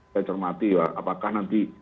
saya cermati apakah nanti